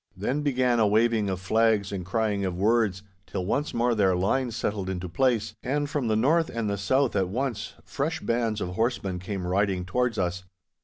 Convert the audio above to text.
Then began a waving of flags and crying of words, till once more their line settled into place, and from the north and the south at once fresh bands of horsemen came riding towards us.